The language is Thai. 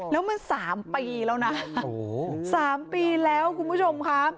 แล้วมัน๓ปีแล้วนะ๓ปีแล้วคุณผู้ชมค่ะ